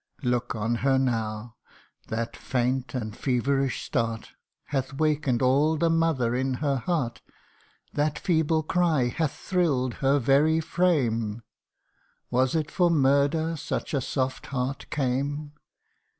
Look on her now ! that faint and feverish start Hath waken'd all the mother in her heart : That feeble cry hath thrilFd her very frame : Was it for murder such a soft heart came